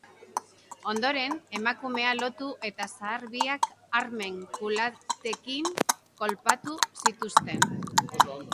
Ondoren, emakumea lotu eta zahar biak armen kulatekin kolpatu zituzten.